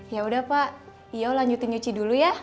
yaudah pak yo lanjutin nyuci dulu ya